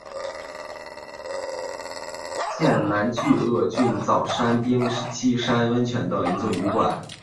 庆云馆是位于日本山梨县南巨摩郡早川町西山温泉的一座旅馆。